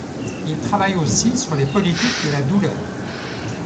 Il travaille aussi sur les politiques de la douleur.